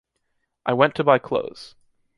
I went to buy clothes.